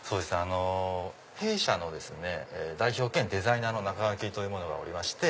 弊社の代表兼デザイナーの仲垣という者がおりまして。